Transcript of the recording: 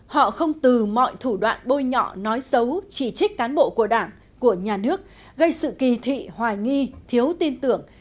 họ không từ mọi thủ đoạn bôi nhọ nói xấu chỉ trích cán bộ của đảng của nhà nước gây sự kỳ thị hoài nghi thiếu tin tưởng